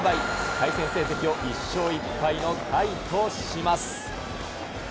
対戦成績を１勝１敗のタイとします。